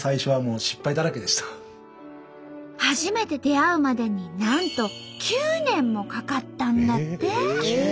初めて出会うまでになんと９年もかかったんだって。